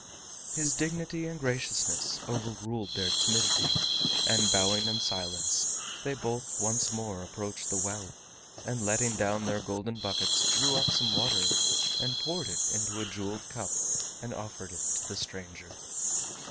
His dignity and graciousness overruled their timidity, and bowing in silence they both once more approached the well, and letting down their golden buckets drew up some water and poured it into a jeweled cup and offered it to the stranger.